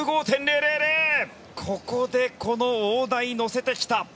ここでこの大台、乗せてきた。